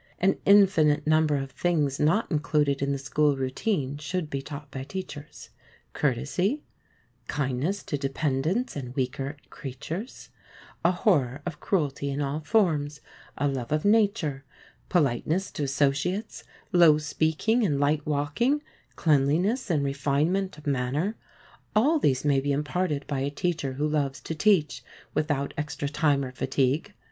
An infinite number of things not included in the school routine should be taught by teachers. Courtesy, kindness to dependents and weaker creatures, a horror of cruelty in all forms, a love of nature, politeness to associates, low speaking and light walking, cleanliness and refinement of manner, all these may be imparted by a teacher who loves to teach, without extra time or fatigue.